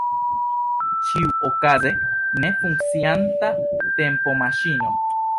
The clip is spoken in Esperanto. Ĉiuokaze, ne funkcianta tempomaŝino.